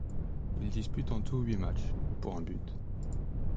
Il dispute en tout huit matchs, pour un but.